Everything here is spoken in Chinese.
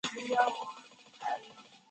都是我脚踏实地赚来的辛苦钱